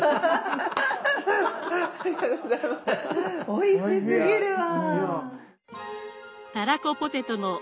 おいしすぎるわ！